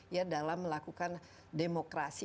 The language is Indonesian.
ya dalam melakukan demokrasi